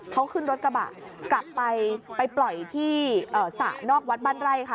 เขาขึ้นรถกระบะกลับไปไปปล่อยที่สระนอกวัดบ้านไร่ค่ะ